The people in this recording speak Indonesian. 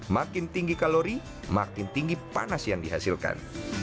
makin tinggi kalori makin tinggi panas yang dihasilkan